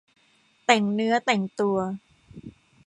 แต่งเนื้อแต่งตัว